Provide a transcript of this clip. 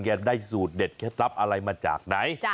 ได้สูตรเด็ดเคล็ดลับอะไรมาจากไหน